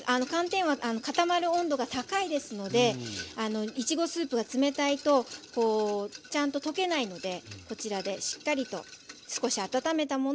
固まる温度が高いですのでいちごスープが冷たいとこうちゃんと溶けないのでこちらでしっかりと少し温めたものを合わせて。